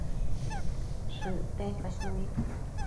shëcten cuesnunid